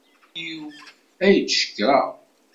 D Illu-iw, ad k-cekkreɣ.